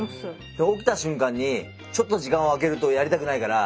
起きた瞬間にちょっと時間を空けるとやりたくないから。